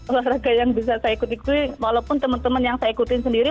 olahraga yang bisa saya ikut ikuti walaupun teman teman yang saya ikutin sendiri